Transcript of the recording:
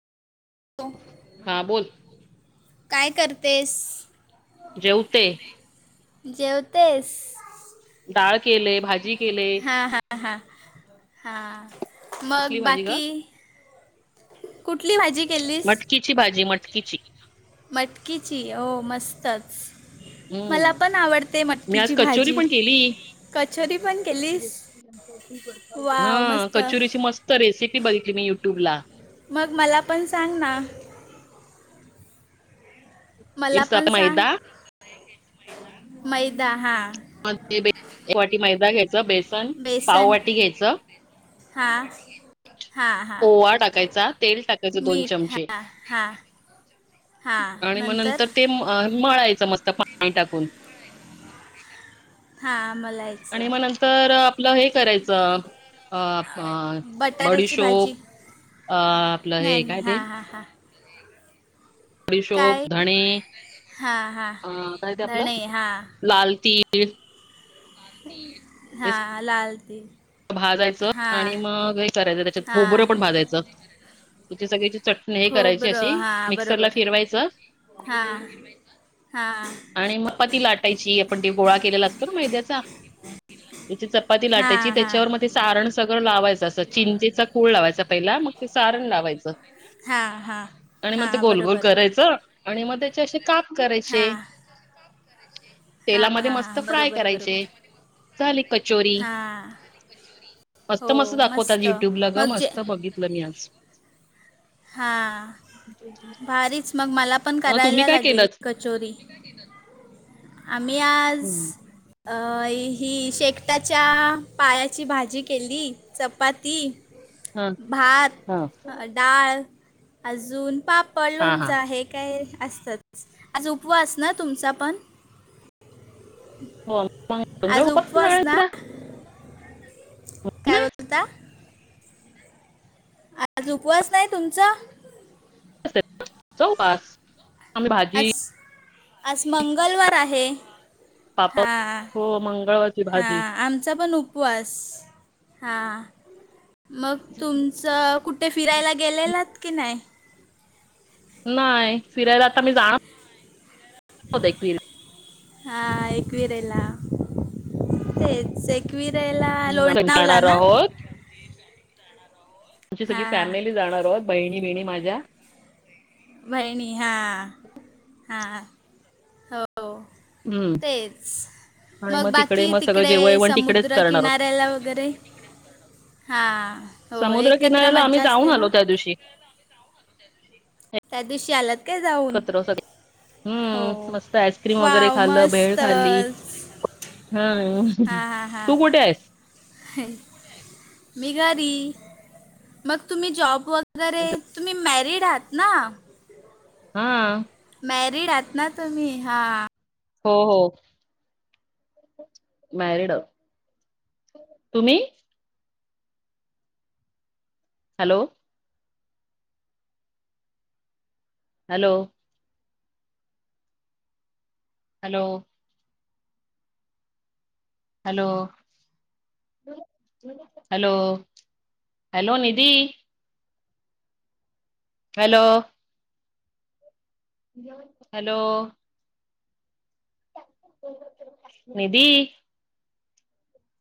हा बोल. काय करतेस. जेवते. जेवतेस? डाळ केलंय. भाजी केले हा हा हा हा. मग कसली भाजी ग बाकी? कुठली भाजी केलीस? मटकीची भाजी मटकीची मटकीची हो मस्तच. मला हम्म, पण आवडते मी आज मटकीची कचोरी भाजी पण केली. कचोरी पण केलीस वाव हा मस्त कचुरीची मस् ते रेसिपी बघितली मी युट्यूबला. मग मला पण सांग ना. मला पण सांग, मैदा ‌मैदा हा. मग ते, एक वाटी मैदा घ्यायचा बेसन. बेसन पाववाटी घ्यायचं हा. हा हा. ओवा टाकायचा तेल टाकायचं दोन मीठ चमचे हा हा. हा नंतर, अ मळायचं मस्त पाणी टाकून. हा मलाही आणि मग नंतर, आपलं हे करायचं. अ.. बटाट्याची भाजी बडीशोप अ.. आपलं नाही हे नाही काय ते. हां हां हां बडीशोप, काय धणे हां हां काय ते आपलं धणे हां लाल तीळ. ते हा लाल ती सगळं भाजायचं हां आणि मग हे करायचं त्याच्यात, खोबरं हां पण भाजायचं. मग ते सगळं याच्यात चटणी हे करायची खोबरं अशी, हां मिक्सर ला बरोबर फिरवायचं. हा. आणि मग पती लाटायची. आपण ते गोळा केलेला असतो ना मैद्याचा, ‌ त्याची चपाती हां लाटायची. त्या हां त्याच्यावर मध्ये सारण सगळं लावायचं असं, चिंचेचा कूळ लावायचा पहिला मग ते सारण लावायचं. हा. आणि मग ते गोलगोल करायचं आणि मग ते तेचे काप करायचे, हां हां तेलामध्ये हां हां मस्त फ्राय बरोबर करायचे. बरोबर झाली कचोरी. हां हो मस्त मस्त दाखवत्यात‌ युट्यूबला गं, मग जे मस्त बघितलं मी आज. हा. भारीच मग मला पण मग तुम्ही करायला काय लागेल केलंत? क कचोरी आम्ही आज अं.. हि शेकताच्या पायाची भाजी केली चपाती. हा भात हा डाळ अजून पाप हा पडलोंच हा आहे काय असतंच. आज उपवास ना तुमचा पण? हो आमचा आज उपवास ये ना सगळ्यांचा. काय नाही बोलता? आज उपवास नाही तुमचा? [unintelligible] उपवास. आज आज मंगलवार आहे. पापड हा हो मंगळवारची हा. भाजी आम आमचा पण उपवास, हां मग तुम च कुठे फिरायला गेलेलात की नाही? नाय. फिरायला आता मी जाणार आहोत एक हा एकवीरेला. तेच एक एकवीरेला फिरायला आम्ही लोणावला जाणार ना. आहोत आमची सगळी हां हां फॅमिली जाणार आहोत, बहिणी बहिणी माझ्या. बहिणी, हा हा हो. हम्म तेच. आणि मग बाकी मग सगळं तिकडे जेवयवण तिकडेच समुद्र करणार आहोत. किनाऱ्याला वगैरे हां.. हो एकत्र समुद्रकिनाऱ्याला आम्ही मज्जा जाऊन असते ना. आलो त्या दिवशी त्या दिवशी आलात काय जाऊन? एकत्र सगळे हो हम्म... मस्त आईस्क्रीम वगैरे वाव खाल भेळ खाली. मस्तच हा. हां हां हां तू कुठे आहेस? मी घरी, मग तुम्ही जॉबवर वगैरे तुम्ही मॅरिड आहात ना. हां. मॅरिड आहात ना तुम्ही हां. हो हो. मॅरीड. तुम्ही? Hello. Hello, hello. Hello. Hello hello Nidhi. Hello. Hello. निधी.